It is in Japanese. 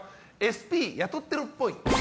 ＳＰ雇ってるっぽい。